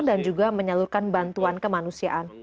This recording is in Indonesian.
juga menyalurkan bantuan kemanusiaan